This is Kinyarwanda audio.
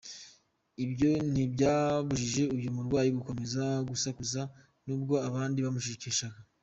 Ibyo ntibyabujije uyu murwayi gukomeza gusakuza n’ubwo abandi bamucecekeshaga.